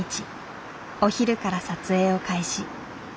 お昼から撮影を開始。